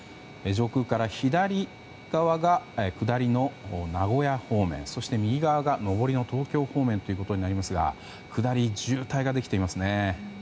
画面左側が下りの名古屋方面、右側が上りの東京方面となりますが下り渋滞ができていますね。